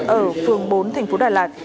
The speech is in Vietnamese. ở phường bốn thành phố đà lạt